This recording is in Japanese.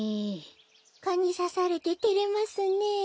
カにさされててれますねえ。